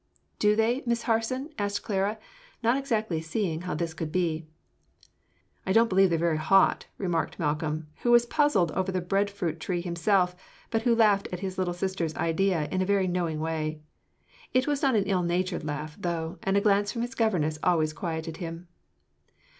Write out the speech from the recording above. "Do they, Miss Harson?" asked Clara, not exactly seeing how this could be. "I don't believe they're very hot," remarked Malcolm, who was puzzled over the bread fruit tree himself, but who laughed at his little sister's idea in a very knowing way. It was not an ill natured laugh, though, and a glance from his governess always quieted him.